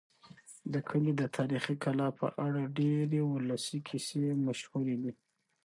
د کلي د تاریخي کلا په اړه ډېرې ولسي کیسې مشهورې دي.